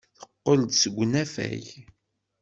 Teqqel-d seg unafag.